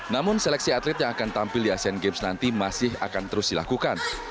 namun seleksi atlet yang akan tampil di asean games nanti masih akan terus dilakukan